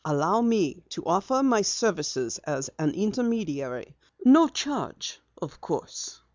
"Allow me to offer my services as an intermediary. No charge, of course."